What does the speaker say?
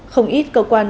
không ít cơ quan